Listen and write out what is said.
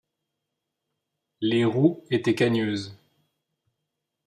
Les roues étaient cagneuses.